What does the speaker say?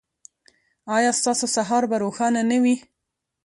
ایا ستاسو سهار به روښانه نه وي؟